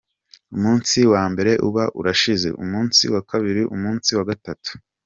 Umunsi wa mbere uba urashize, umunsi wa kabiri, umunsi wa gatatu.